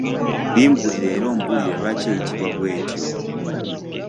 Limbuulire era ombuulire lwaki eyitibwa bw’etyo?